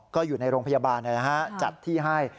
ก็อยู่ในโรงพยาบาลเลยนะฮะจัดที่ให้